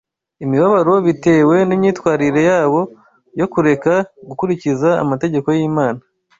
imibabaro bitewe n’imyitwarire yabo yo kureka gukurikiza amategeko y’Imana